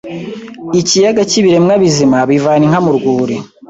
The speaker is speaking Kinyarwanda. ikiyaga cyIbiremwa bizima bivana inka murwuri